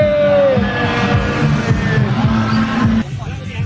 สวัสดีครับวันนี้ชัพเบียนเอ้าเฮ้ย